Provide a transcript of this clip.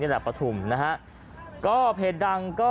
หัวหลัก